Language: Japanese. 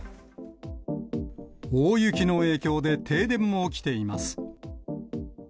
大雪の影響で停電も起きています。